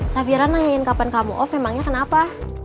safiran nanyain kapan kamu off emangnya kenapa